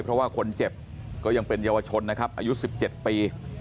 เพราะว่าคนเจ็บก็ยังเป็นเยาวชนนะครับอายุ๑๗ปี